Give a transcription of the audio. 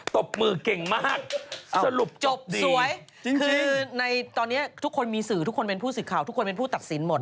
คือในตอนนี้ทุกคนมีสื่อทุกคนเป็นผู้สื่อข่าวทุกคนเป็นผู้ตัดสินหมด